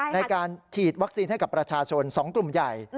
ในการฉีดวัคซีนให้กับประชาชน๒กลุ่มใหญ่